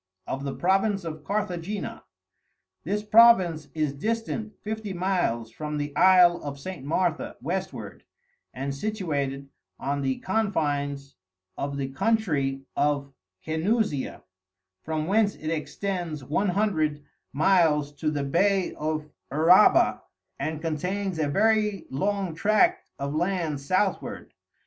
Of the Province of CARTHAGENA. This Province is distant Fifty Miles from the Isle of St. Martha Westward, and situated on the Confines of the Country of Cenusia, from whence it extends One Hundred Miles to the Bay of Uraba, and contains a very long Tract of Land Southward.